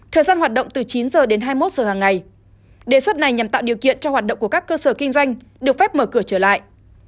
thời gian hoạt động từ chín h đến hai mươi một giờ hàng ngày đề xuất này nhằm tạo điều kiện cho hoạt động của các cơ sở kinh doanh được phép mở cửa trở lại